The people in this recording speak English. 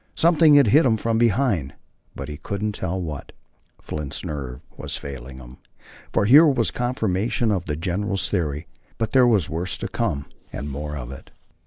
Something had hit him from behind, but he couldn't tell what. Flint's nerve was failing him, for here was confirmation of the general's theory, but there was worse to come and more of it.